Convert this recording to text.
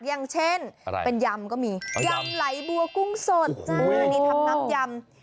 อย่างเช่นอะไรเป็นยำก็มียำไหลบัวกุ้งสดจ้านี่ทำน้ำยำ